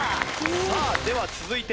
さあでは続いて。